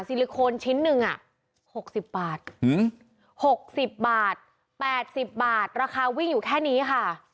ลิโคนชิ้นหนึ่ง๖๐บาท๖๐บาท๘๐บาทราคาวิ่งอยู่แค่นี้ค่ะ